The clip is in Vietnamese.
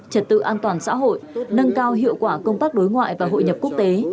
trật tự an toàn xã hội nâng cao hiệu quả công tác đối ngoại và hội nhập quốc tế